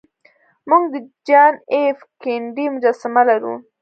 موږ د جان ایف کینیډي مجسمه لرو